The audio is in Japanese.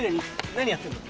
何やってんの？